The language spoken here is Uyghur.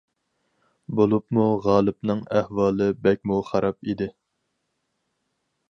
بولۇپمۇ غالىپنىڭ ئەھۋالى بەكمۇ خاراب ئىدى.